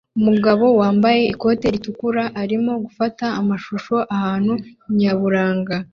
Umugore wambaye ikoti ritukura arimo gufata amashusho ahantu nyaburanga